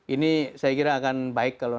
ini saya kira akan baik kalau